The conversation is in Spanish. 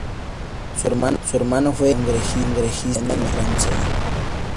Su hermano fue el congresista Nathaniel Ramsey.